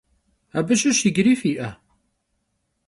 Abı şış yicıri fi'e?